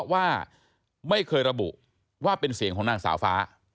ว่าไม่เคยระบุว่าเป็นเสียงของนางสาวฟ้า